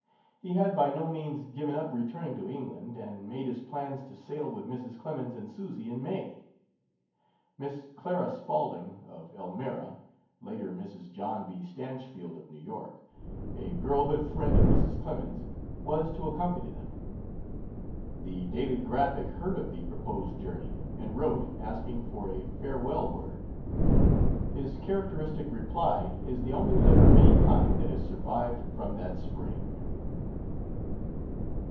He had by no means given up returning to England, and made his plans to sail with Mrs. Clemens and Susy in May. Miss Clara Spaulding, of Elmira [Later Mrs. John B. Stanchfield, of New York.] a girlhood friend of Mrs. Clemens was to accompany them. The Daily Graphic heard of the proposed journey, and wrote, asking for a farewell word. His characteristic reply is the only letter of any kind that has survived from that spring.